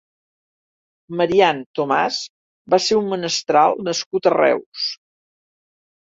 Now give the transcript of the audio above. Marian Thomàs va ser un menestral nascut a Reus.